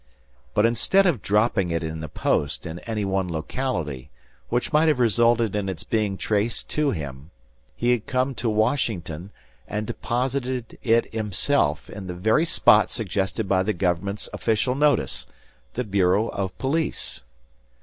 But instead of dropping it in the post in any one locality, which might have resulted in its being traced to him, he had come to Washington and deposited it himself in the very spot suggested by the government's official notice, the bureau of police.